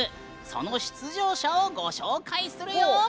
その出場者をご紹介するよ。